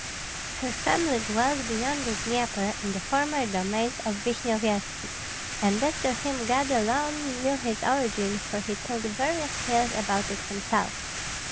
Her family dwelt beyond the Dnieper, in the former domains of Vishnyevetski; and as to him God alone knew his origin, for he told various tales about it himself.